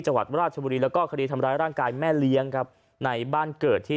จังหวัดราชบุรีแล้วก็คดีทำร้ายร่างกายแม่เลี้ยงครับในบ้านเกิดที่